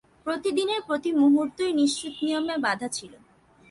প্রতিদিনের প্রতি মুহূর্তই নিশ্চিত নিয়মে বাঁধা ছিল।